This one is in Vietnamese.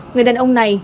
người đàn ông này